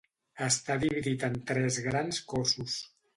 Està dividit en tres grans cossos.